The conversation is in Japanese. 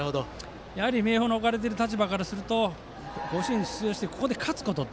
明豊の置かれている立場からすると甲子園に出場してここで勝つ。